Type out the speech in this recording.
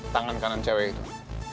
tangan kanan cewek itu